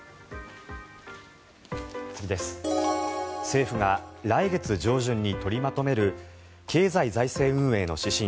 政府が来月上旬に取りまとめる経済財政運営の指針